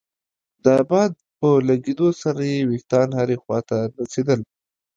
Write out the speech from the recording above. د باد په لګېدو سره يې ويښتان هرې خوا ته نڅېدل.